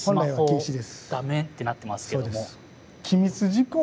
ダメってなってますけども。